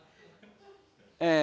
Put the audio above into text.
ええ。